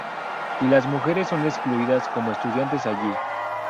Y las mujeres somos excluidas como estudiantes allí".